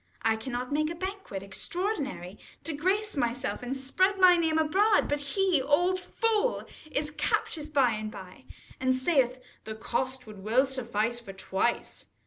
I cannot make a banquet extraordinary, To grace myself, and spread my name abroad, But he, old fool, is captious by and by, 1 5 And saith, the cost would well suffice for twice.